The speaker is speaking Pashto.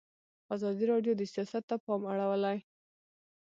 ازادي راډیو د سیاست ته پام اړولی.